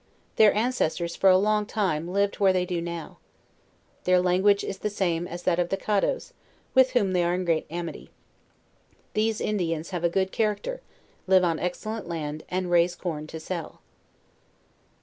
Their ancestors, for a longtime, lived where they now do. Their language the same as that of the Caddoes, with whom they are in great amity. These Indians have 'a good charac ter, live on excellent land, and raise corn to sell.